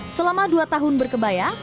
selama dua tahun berkebaya